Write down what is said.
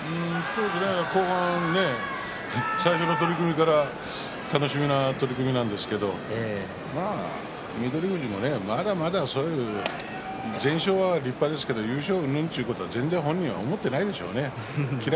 後半最初の取組から楽しみな取組なんですけれど翠富士もまだまだ全勝は立派ですけど優勝うんぬんというのは本人は思っていないでしょうね。